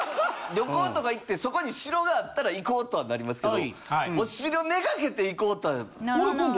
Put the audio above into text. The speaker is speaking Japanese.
旅行とか行ってそこに城があったら行こうとはなりますけどお城目がけて行こうとは。ならない。